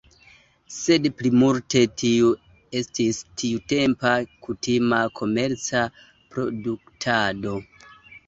Sed plimulte tio estis tiutempa kutima komerca produktado.